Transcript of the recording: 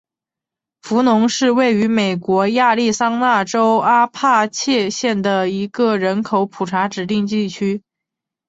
弗农是位于美国亚利桑那州阿帕契县的一个人口普查指定地区。